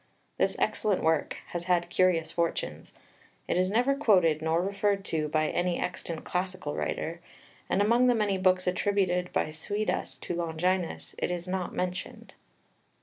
This excellent work has had curious fortunes. It is never quoted nor referred to by any extant classical writer, and, among the many books attributed by Suidas to Longinus, it is not mentioned.